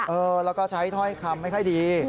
เออแล้วก็ใช้ถ้อยคำไม่ค่อยดี